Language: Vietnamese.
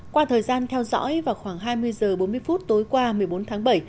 qua thời gian theo dõi vào khoảng hai mươi h bốn mươi phút tối qua một mươi bốn tháng bảy